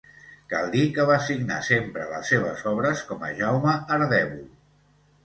Cal dir que va signar sempre les seves obres com a Jaume Ardèvol.